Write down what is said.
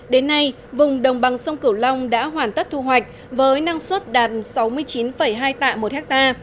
đến nay vùng đồng bằng sông cửu long đã hoàn tất thu hoạch với năng suất đạt sáu mươi chín hai tạ một ha